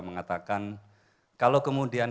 mengatakan kalau kemudian